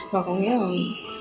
và có nghĩa là